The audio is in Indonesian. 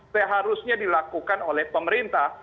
seharusnya dilakukan oleh pemerintah